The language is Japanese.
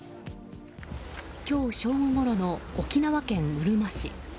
今日正午ごろの沖縄県うるま市。